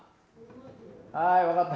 はい分かった。